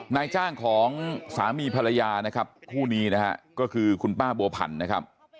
นายจ้างของสามีภรรยานะครับคู่นี้นะฮะก็คือคุณป้าบัวพันธ์นะครับ